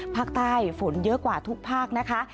ภาคใต้ฝนเยอะกว่าทุกภาคนะคะ